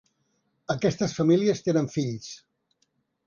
Aquestes famílies tenen fills.